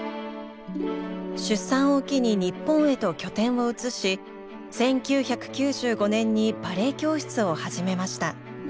出産を機に日本へと拠点を移し１９９５年にバレエ教室を始めました。